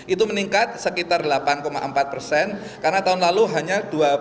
itu meningkat sekitar delapan empat persen karena tahun lalu hanya dua puluh dua enam